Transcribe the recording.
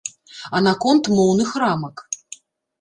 А наконт моўных рамак.